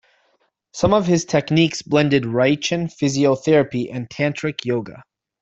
Some of his techniques blended Reichian physiotherapy and tantric yoga.